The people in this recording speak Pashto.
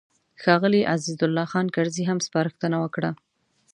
ښاغلي عزیز الله خان کرزي هم سپارښتنه وکړه.